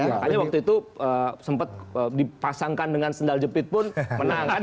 makanya waktu itu sempat dipasangkan dengan sendal jepit pun menang kan